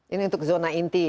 ini untuk zona inti